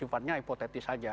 itu sifatnya ipotetis saja